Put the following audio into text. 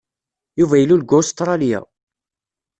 Yuba ilul deg Ustṛalya.